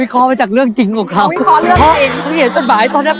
ครับ